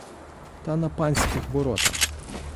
Та на панських воротах.